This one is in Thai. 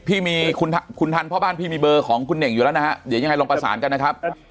พี่มีคุณทันพ่อบ้านพี่มีเบอร์ของคุณเน่งอยู่แล้วนะฮะเดี๋ยวยังไงลองประสานกันนะครับ